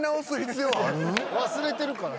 忘れてるから。